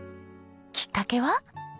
きっかけは。